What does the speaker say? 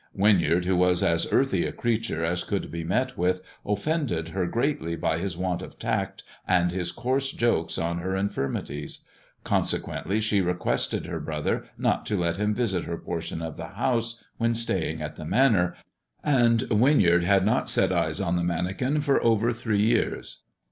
Winyard, who was as earthy a creature as could be met with, offended her greatly by his want of tact and his coarse jokes on her infirmities. Consequently she requested her brother not to let him visit her portion of the house when staying at the Manor ; and Winyard had not set eyes on the manikin for over three years.